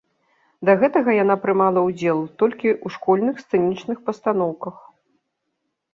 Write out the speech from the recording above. Да гэтага яна прымала ўдзел толькі ў школьных сцэнічных пастаноўках.